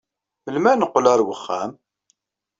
Melmi ad neqqel ɣer uxxam?